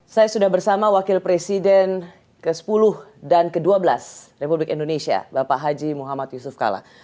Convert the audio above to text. saya sudah bersama wakil presiden ke sepuluh dan ke dua belas republik indonesia bapak haji muhammad yusuf kala